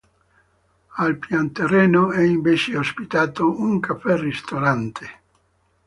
Al pianterreno, è invece ospitato un caffé-ristorante.